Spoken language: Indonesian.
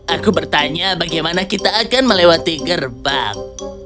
aku bertanya bagaimana kita akan melewati gerbang